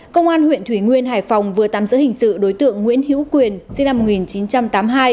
công an huyện thủy nguyên hải phòng vừa tạm giữ hình sự đối tượng nguyễn hữu quyền sinh năm một nghìn chín trăm tám mươi hai